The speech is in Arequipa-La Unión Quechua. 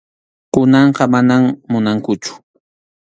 Kunanqa manam munankuchu.